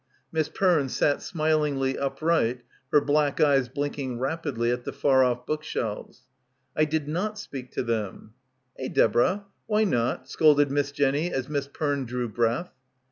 Miss Peme sat smilingly upright, her black eyes blinking rapidly at the far off bookshelves. "I did not speak to them " "Eh, Deborah, why not?" scolded Miss Jenny as Miss Peme drew breath.